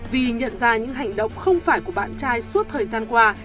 vì nhận ra những hành động không phải của bạn trai suốt thời gian qua